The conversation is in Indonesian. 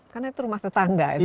karena itu rumah tetangga